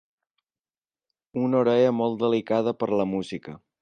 Una orella molt delicada per a la música.